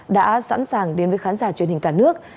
đã sẵn sàng đến với khán giả truyền hình cả nước